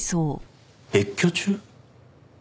別居中？